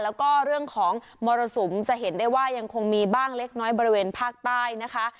แล้วก็เรื่องของมรสุมจะเห็นได้ว่ายังคงมีบ้างเล็กน้อยบริเวณภาคใต้นะคะ